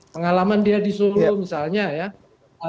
pengalaman dia di solo misalnya ya